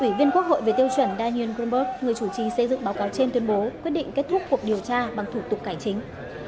ủy viên quốc hội về tiêu chuẩn daniel grunberg người chủ trì xây dựng báo cáo trên tuyên bố quyết định kết thúc cuộc điều tra bằng thủ tục cải chính